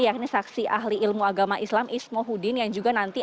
yang ini saksi ahli ilmu agama islam ismohuddin yang juga nanti